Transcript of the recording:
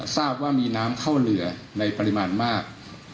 ทราบว่ามีน้ำเข้าเรือในปริมาณมาก